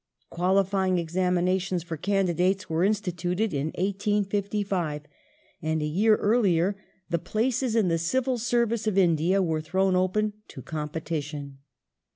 Qualifying examinations for candidates were instituted in 1855, and a year earlier the places in the Civil Service of India were thrown open to competition.